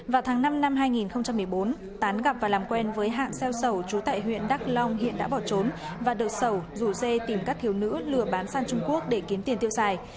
vào tháng năm năm hai nghìn một mươi bốn tán gặp và làm quen với hạng xeo xẩu chú tại huyện đắc long hiện đã bỏ trốn và đợt xẩu lù xeo tìm các thiếu nữ lừa bán sang trung quốc để kiếm tiền tiêu xài